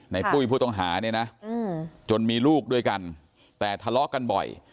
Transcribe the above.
ปุ้ยผู้ต้องหาเนี่ยนะจนมีลูกด้วยกันแต่ทะเลาะกันบ่อย